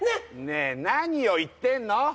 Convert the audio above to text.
ねえ何を言ってんのうん？